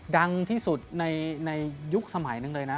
ดังที่สุดในยุคสมัยหนึ่งเลยนะ